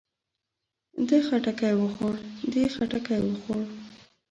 ده خټکی وخوړ. دې خټکی وخوړ.